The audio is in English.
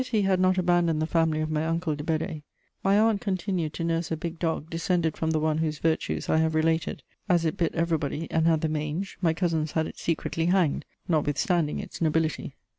Gaiety had not abandoned the family of my uncle de Bedée; my aunt continued to nurse a big dog, descended from the one whose virtues I have related: as it bit everybody and had the mange, my cousins had it secretly hanged, notwithstanding its nobility.